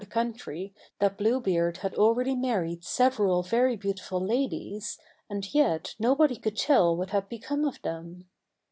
the country that Blue Beard had already married several very beautiful ladies, and yet nobody could tell what had become of them.